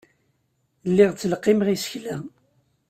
Lliɣ ttleqqimeɣ isekla.